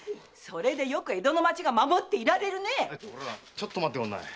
ちょっと待っておくんな。